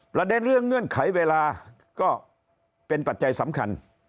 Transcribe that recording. ประเด็นเรื่องเงื่อนไขเวลาก็เป็นปัจจัยสำคัญ